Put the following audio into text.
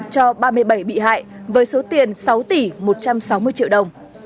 cho ba mươi bảy bị hại với số tiền sáu tỷ một trăm sáu mươi triệu đồng